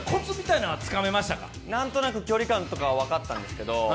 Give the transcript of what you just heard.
なんとなく距離感は分かったんですけど